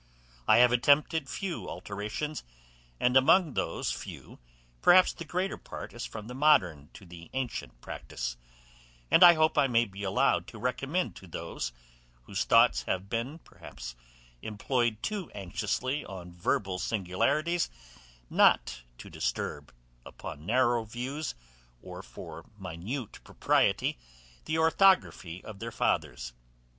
I have attempted few alterations, and among those few, perhaps the greater part is from the modern to the ancient practice; and I hope I may be allowed to recommend to those, whose thoughts have been perhaps employed too anxiously on verbal singularities, not to disturb, upon narrow views, or for minute propriety, the orthography of their fathers.